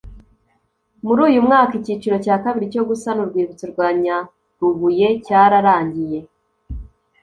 Muri uyu mwaka icyiciro cya kabiri cyo gusana urwibutso rwa Nyarubuye cyararangiye